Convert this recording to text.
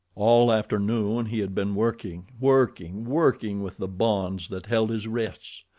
All afternoon he had been working, working, working with the bonds that held his wrists.